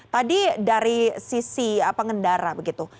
tadi dari sisi pengendara begitu